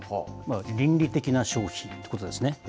倫理的な消費ということですね。